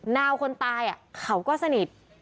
นาวคนตายเขาก็สนิท